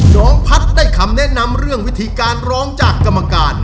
น้องพัฒน์ได้คำแนะนำเรื่องวิธีการร้องจากกรรมการ